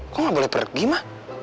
kok nggak boleh pergi mah